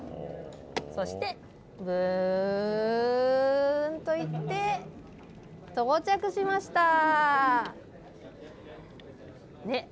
そして、ぶーんと行って、到着しました。ね？